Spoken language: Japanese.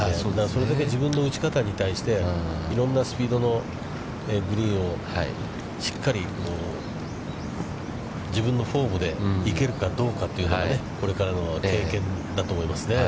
それだけ自分の打ち方に対していろんなスピードのグリーンをしっかり自分のフォームで行けるかどうかというのがこれからの経験だと思いますね。